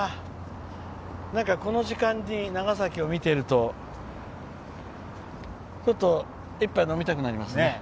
この時間に長崎を見ていると一杯飲みたくなりますね。